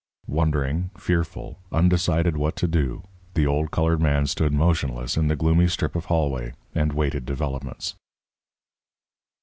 Wondering, fearful, undecided what to do, the old coloured man stood motionless in the gloomy strip of hallway, and waited developments.